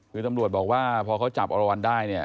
คือตำรวจบอกว่าพอเขาจับอรวรรณได้เนี่ย